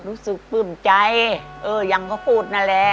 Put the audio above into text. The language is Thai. รู้สึกปลืมใจอย่างเขาพูดนั่นแหละ